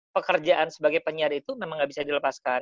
pekerjaan sebagai penyiar itu memang gak bisa dilepaskan